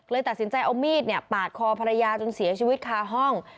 ตัดสินใจเอามีดปาดคอภรรยาจนเสียชีวิตคาห้อง